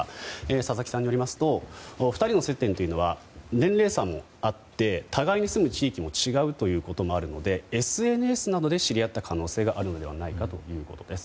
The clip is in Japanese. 佐々木さんによりますと２人の接点というのは年齢差もあってお互いに住む地域も違うということもあるのでＳＮＳなどで知り合った可能性があるのではないかということです。